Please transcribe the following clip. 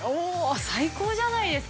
◆最高じゃないですか。